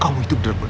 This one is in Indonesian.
kamu hidup dari bener